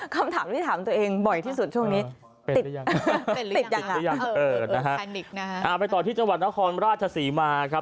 คำถามที่ถามตัวเองบ่อยที่สุดช่วงนี้ติดยังไปต่อที่จังหวัดนครราชศรีมา